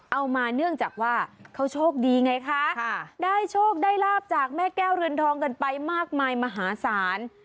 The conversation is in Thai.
มาเนื่องจากว่าเขาโชคดีไงคะได้โชคได้ลาบจากแม่แก้วเรือนทองกันไปมากมายมหาศาล